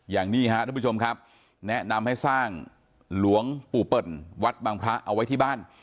อย่างนี้ครับทุกผู้ชมครับแนะนำให้สร้างหลวงปู่เปิ่นวัดบางพระเอาไว้ที่บ้าน